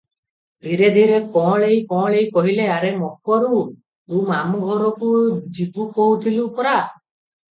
ଧୀରେ ଧୀରେ କଅଁଳେଇ କଅଁଳେଇ କହିଲେ, ଆରେ ମକରୁ! ତୁ ମାମୁଁ ଘରକୂ ଯିବୁ କହୁଥିଲୁ ପରା?